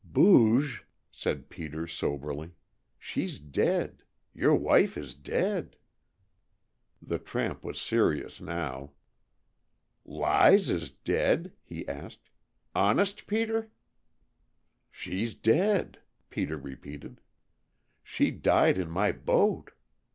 "Booge," said Peter soberly, "she's dead. Your wife is dead." The tramp was serious now. "Lize is dead?" he asked. "Honest, Peter?" "She's dead," Peter repeated. "She died in my boat.